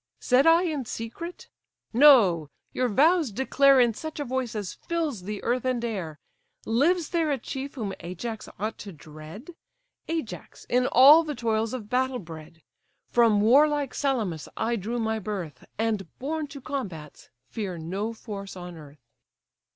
Said I in secret? No, your vows declare In such a voice as fills the earth and air, Lives there a chief whom Ajax ought to dread? Ajax, in all the toils of battle bred! From warlike Salamis I drew my birth, And, born to combats, fear no force on earth."